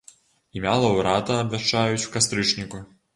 Імя лаўрэата абвяшчаюць у кастрычніку.